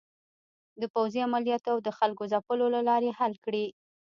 د پوځې عملیاتو او د خلکو د ځپلو له لارې حل کړي.